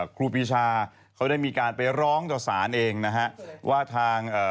ครูปีชาเขาได้มีการไปร้องต่อสารเองนะฮะว่าทางเอ่อ